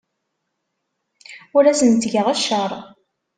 Ur asen-ttgeɣ cceṛ.